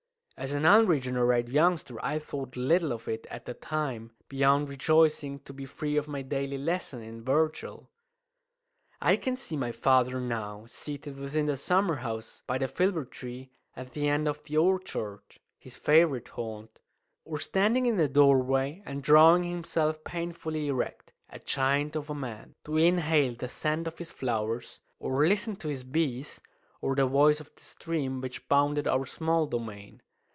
As an unregenerate youngster I thought little of it at the time, beyond rejoicing to be free of my daily lesson in Virgil. I can see my father now, seated within the summer house by the filbert tree at the end of the orchard his favourite haunt or standing in the doorway and drawing himself painfully erect, a giant of a man, to inhale the scent of his flowers or listen to his bees, or the voice of the stream which bounded our small domain.